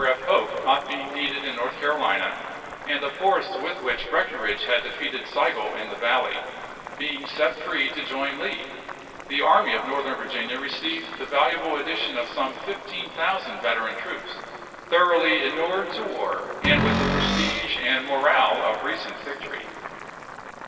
F. Hoke not being needed in North Carolina, and the force with which Breckinridge had defeated Sigel in the Valley being set free to join Lee, the Army of Northern Virginia received the valuable addition of some fifteen thousand veteran troops, thor oughly inured to war and with the prestige and morale of recent victory.